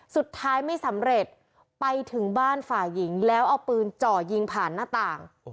สุดท้ายไม่สำเร็จไปถึงบ้านฝ่ายหญิงแล้วเอาปืนจ่อยิงผ่านหน้าต่าง